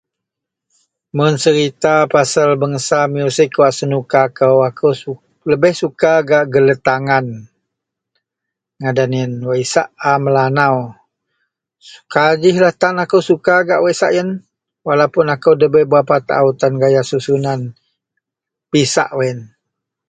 mun serita pasal bangsa music wak senuka kou, akou suk lebih suka gak geletangan ngadan ien wak isak a Melanau, sekajih la tan akou suka gak wak isak ien, walaupun akou daberapa taau tan gaya susunan pisak wak ien